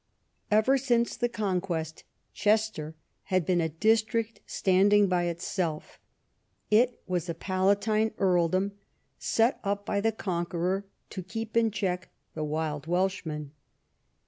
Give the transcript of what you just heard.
Ever since the Conquest Chester had been a district standing by itself. It was a palatine earldom, set up by the Conqueror to keep in check the wild Welshmen.